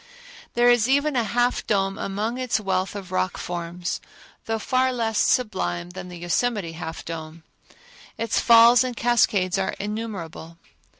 There is even a Half Dome among its wealth of rock forms, though far less sublime than the Yosemite Half Dome. Its falls and cascades are innumerable.